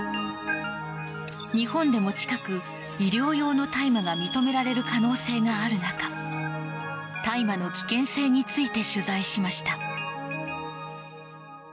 日本でも近く医療用の大麻が認められる可能性がある中大麻の危険性について取材しました。